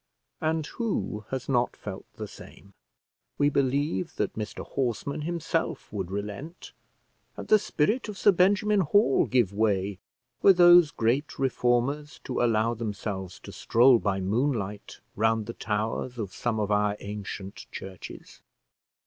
And who has not felt the same? We believe that Mr Horseman himself would relent, and the spirit of Sir Benjamin Hall give way, were those great reformers to allow themselves to stroll by moonlight round the towers of some of our ancient churches.